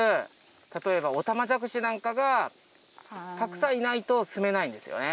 たとえばオタマジャクシなんかがたくさんいないと住めないんですよね。